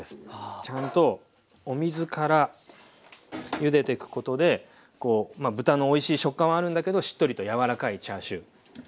ちゃんとお水からゆでてくことで豚のおいしい食感はあるんだけどしっとりと柔らかいチャーシュー。